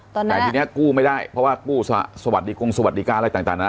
แต่ทีนี้กู้ไม่ได้เพราะว่ากู้สวัสดีกรุงสวัสดิการอะไรต่างนะ